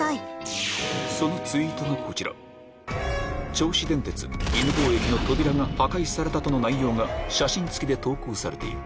銚子電鉄犬吠駅の扉が破壊されたとの内容が写真付きで投稿されている